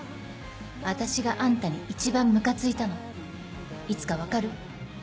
私があんたに一番ムカついたのいつか分かる？